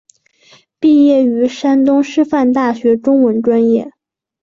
毕业于山东师范大学中文专业。